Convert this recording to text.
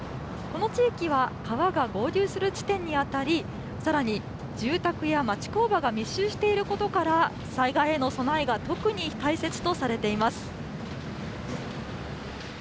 この地域は、川が合流する地点に当たり、さらに住宅や町工場が密集していることから、災害への備えが特に大切とされています。